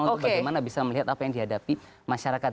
untuk bagaimana bisa melihat apa yang dihadapi masyarakat